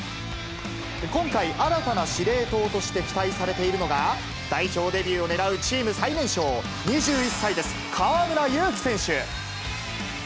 今回、新たな司令塔として期待されているのが、代表デビューをねらうチーム最年少、２１歳です、河村勇輝選手。